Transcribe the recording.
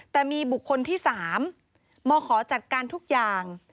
แต่มีบุคคลที่๓มาขอจัดการทุกอย่าง